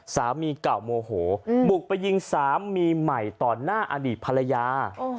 สามีเก่าโมโหบุกไปยิงสามีใหม่ต่อหน้าอดีตภรรยา